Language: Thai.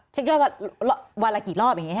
เช็คยอดวันละกี่รอบ